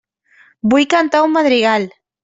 Vull cantar un madrigal.